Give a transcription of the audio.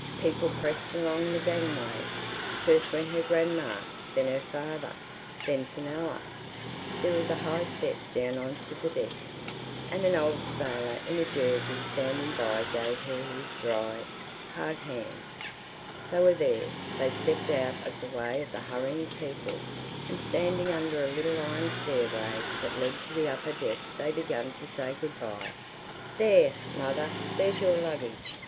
People pressed along the gangway. First went her grandma, then her father, then Fenella. There was a high step down on to the deck, and an old sailor in a jersey standing by gave her his dry, hard hand. They were there; they stepped out of the way of the hurrying people, and standing under a little iron stairway that led to the upper deck they began to say good bye. "There, mother, there's your luggage!"